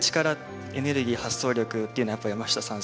エネルギー発想力っていうのはやっぱり山下さん